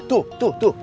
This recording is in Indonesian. tuh tuh tuh